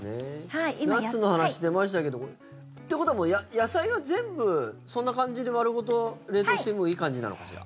ナスの話、出ましたけどということは野菜は全部そんな感じで丸ごと冷凍してもいい感じなのかしら。